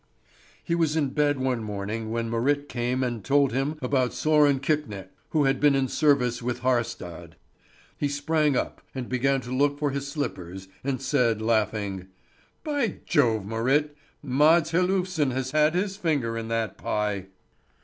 He was in bed one morning when Marit came and told him about Sören Kvikne, who had been in service with Haarstad. He sprang up, and began to look for his slippers, and said, laughing: "By Jove, Marit, Mads Herlufsen has had his finger in that pie!"